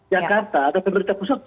yang kata ada pemerintah pusat